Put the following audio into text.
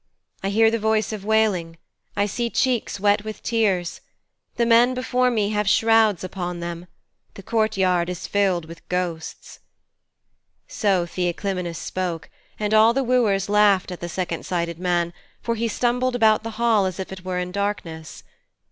'I hear the voice of wailing. I see cheeks wet with tears. The men before me have shrouds upon them. The courtyard is filled with ghosts.' So Theoclymenus spoke, and all the wooers laughed at the second sighted man, for he stumbled about the hall as if it were in darkness.